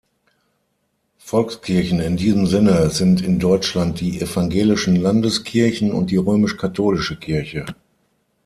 Volkskirchen in diesem Sinne sind in Deutschland die evangelischen Landeskirchen und die römisch-katholische Kirche.